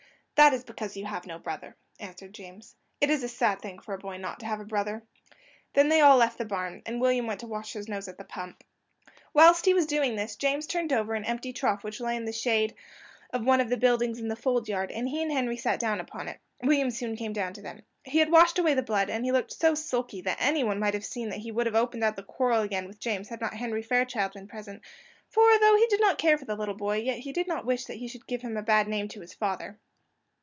"That is because you have no brother," answered James. "It is a sad thing for a boy not to have a brother." They all then left the barn, and William went to wash his nose at the pump. Whilst he was doing this, James turned over an empty trough which lay in the shade of one of the buildings in the fold yard, and he and Henry sat down upon it; William soon came down to them. He had washed away the blood, and he looked so sulky, that anyone might have seen that he would have opened out the quarrel again with James had not Henry Fairchild been present; for, though he did not care for the little boy, yet he did not wish that he should give him a bad name to his father.